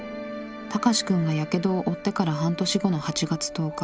高志くんがやけどを負ってから半年後の８月１０日。